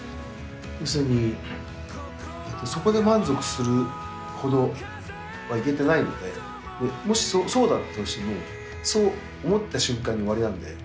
要するにそこで満足するほどは行けていないのでもしそうだったとしてもそう思った瞬間に終わりなんで。